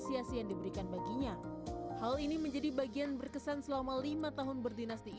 penghargaan yang diberikan kepala bnn ri ini disambut gembira sejumlah duta besar indonesia di luar negeri